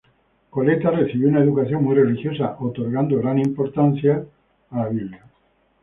Coleta recibió una educación muy religiosa, otorgando gran importancia a la Pasión de Cristo.